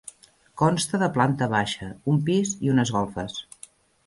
Consta de planta baixa, un pis i unes golfes.